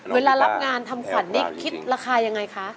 เวลารับงานทำขวัญนี่คิดราคายังไงคะ